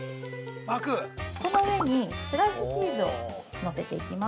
◆この上にスライスチーズをのせていきます。